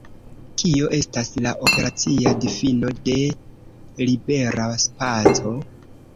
Kio estas la operacia difino de libera spaco?